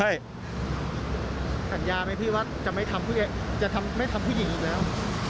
สัญญาไหมพี่ว่าจะไม่ทำจะไม่ทำผู้หญิงอีกแล้ว